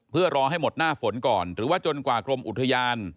เพื่อรอให้หมดหน้าฝนก่อนหรือว่าจนกว่ากรมอุทยาน